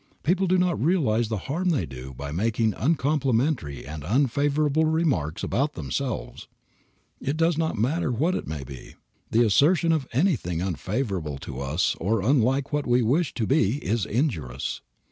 People do not realize the harm they do by making uncomplimentary and unfavorable remarks about themselves. It does not matter what it may be, the assertion of anything unfavorable to us or unlike what we wish to be is injurious.